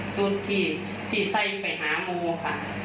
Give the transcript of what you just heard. สูตรที่ที่ซัยไปหามูค่ะ